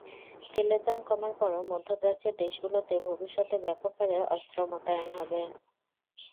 তেলের দাম কমার পরও মধ্যপ্রাচ্যের দেশগুলোতে ভবিষ্যতে ব্যাপক হারে অস্ত্র মোতায়েন হবে।